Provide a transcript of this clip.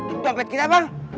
itu dompet kita bang